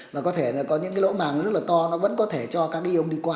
mà có thể là có những cái lỗ màng nó rất là to nó vẫn có thể cho các cái yêu đi qua